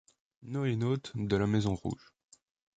NoéNaute de la maison rouge.